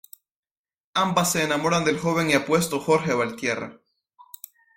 Ambas se enamoran del joven y apuesto Jorge Valtierra.